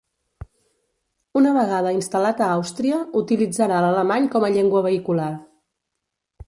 Una vegada instal·lat a Àustria, utilitzarà l'alemany com a llengua vehicular.